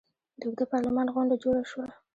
د اوږده پارلمان غونډه جوړه شوه.